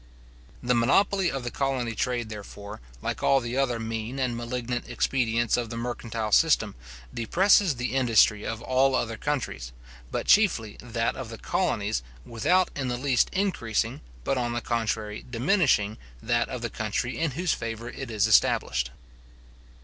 The monopoly of the colony trade, therefore, like all the other mean and malignant expedients of the mercantile system, depresses the industry of all other countries, but chiefly that of the colonies, without in the least increasing, but on the contrary diminishing, that of the country in whose favour it is established.